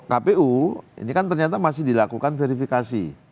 kpu ini kan ternyata masih dilakukan verifikasi